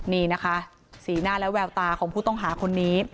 นี่นะคะสีหน้าและแววตาของผู้ต้องหาคนนี้